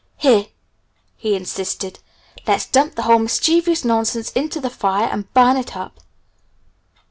"Here!" he insisted. "Let's dump the whole mischievous nonsense into the fire and burn it up!"